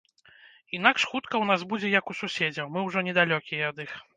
Інакш хутка ў нас будзе, як у суседзяў, мы ўжо не далёкія ад іх.